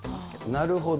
なるほど。